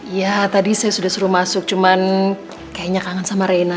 iya tadi saya sudah suruh masuk cuman kaya nya kangen sama reina